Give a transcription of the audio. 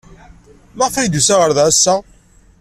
Maɣef ay d-yusa ɣer da ass-a?